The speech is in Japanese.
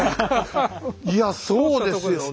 いやそうですよね。